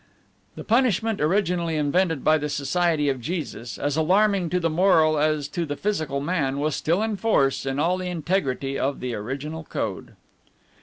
The punishment originally invented by the Society of Jesus, as alarming to the moral as to the physical man, was still in force in all the integrity of the original code.